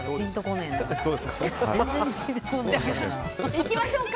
行きましょうか。